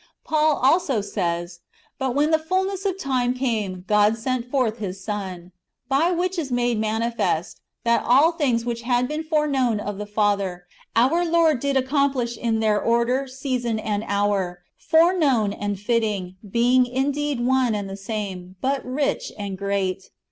^ Paul also says :" But when the fulness of time came, God sent forth His Son/'^ By which is made manifest, that all things which had been foreknown of the Father, our Lord did accomplish in their order, season, and hour, foreknown and fitting, being indeed one and the same, but rich and great.